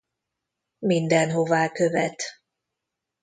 Mindenhová követ.